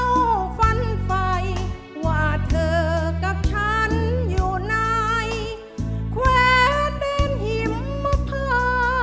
เฝ้าฝันไฟว่าเธอกับฉันอยู่ในแขวนแดงหิมพะพา